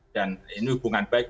dan ini hubungan baik